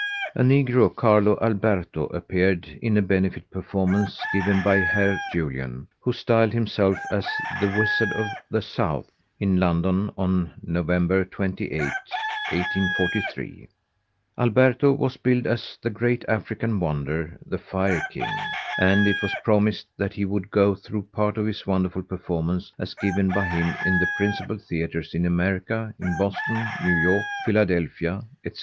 A Negro, Carlo Alberto, appeared in a benefit performance given by Herr Julian, who styled himself the "Wizard of the South," in London, on November 28th, 1843. Alberto was billed as the "Great African Wonder, the Fire King" and it was promised that he would "go through part of his wonderful performance as given by him in the principal theaters in America, in Boston, New York, Philadelphia, etc."